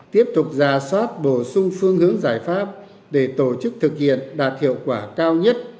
tiếp tục ra soát bổ sung phương hướng giải pháp để tổ chức thực hiện đạt hiệu quả cao nhất